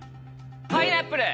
パイナップル！